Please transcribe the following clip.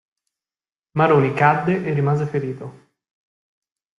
Maroni cadde e rimase ferito.